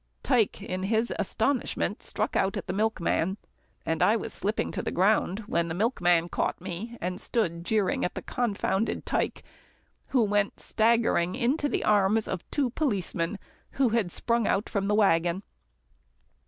Tike, in his astonishment, struck out at the milkman, and I was slipping to the ground, when the milkman caught me and stood jeering at the confounded Tike who went staggering into the arms of two policemen who had sprung from the waggon.